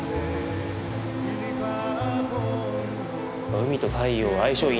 海と太陽は相性いいね。